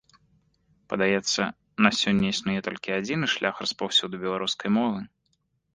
Падаецца, на сёння існуе толькі адзіны шлях распаўсюду беларускай мовы.